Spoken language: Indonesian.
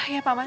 ya pak man